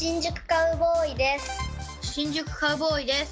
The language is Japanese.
新宿カウボーイです。